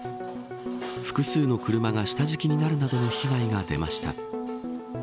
複数の車が下敷きになるなどの被害が出ました。